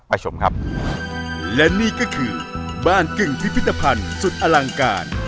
ชมครับและนี่ก็คือบ้านกึ่งพิพิธภัณฑ์สุดอลังการ